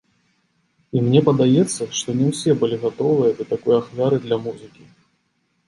І мне падаецца, што не ўсе былі гатовыя да такой ахвяры для музыкі.